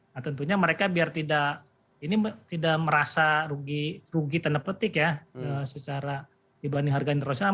nah tentunya mereka biar tidak merasa rugi tanda petik ya secara dibanding harga internasional